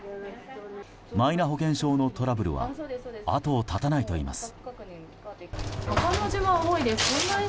マイナ保険証のトラブルは後を絶たないといいます。